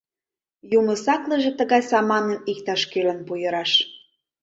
Юмо саклыже тыгай саманым иктаж-кӧлан пуйыраш.